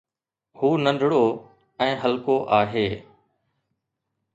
هو ننڍڙو ۽ هلڪو آهي.